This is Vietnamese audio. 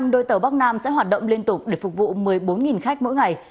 một mươi đôi tàu bắc nam sẽ hoạt động liên tục để phục vụ một mươi bốn khách mỗi ngày